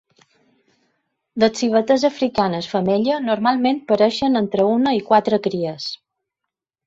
Les civetes africanes femella normalment pareixen entre una i quatre cries.